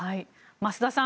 増田さん